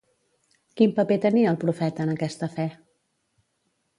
Quin paper tenia el profeta en aquesta fe?